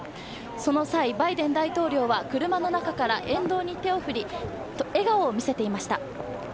その際、バイデン大統領は車の中から沿道に手を振り笑顔を見せていました。